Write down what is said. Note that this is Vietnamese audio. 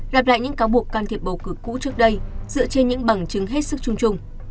lặp lại những cáo buộc can thiệp bầu cử cũ trước đây dựa trên những bằng chứng hết sức chung chung